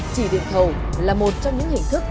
chỉ điện thầu là một trong những hình thức